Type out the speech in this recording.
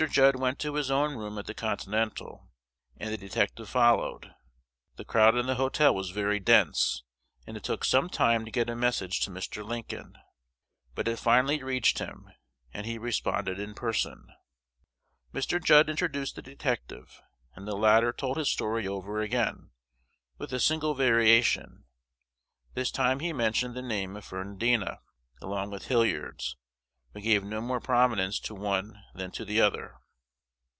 Judd went to his own room at the Continental, and the detective followed. The crowd in the hotel was very dense, and it took some time to get a message to Mr. Lincoln. But it finally reached him, and he responded in person. Mr. Judd introduced the detective; and the latter told his story over again, with a single variation: this time he mentioned the name of Ferrandina along with Hilliard's, but gave no more prominence to one than to the other.